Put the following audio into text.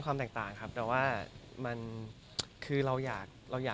ก็พยายามคุยกับคนที่เป็นคนแต่งเพลงที่เราอยากได้เพลงแนวนี้